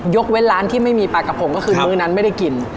เว้นร้านที่ไม่มีปลากระพงก็คือมื้อนั้นไม่ได้กิน